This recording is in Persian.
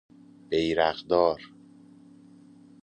بیراقدار